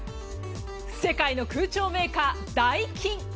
世界の空調メーカーダイキン。